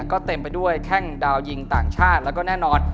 ก็เต็มไปด้วยแข้งดาวยิงต่างชาติแล้วก็แน่นอน